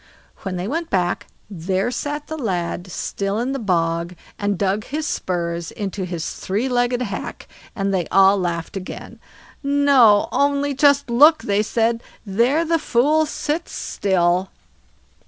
When they went back, there sat the lad still in the bog, and dug his spurs into his three legged hack, and they all laughed again. "No! only just look", they said; "there the fool sits still."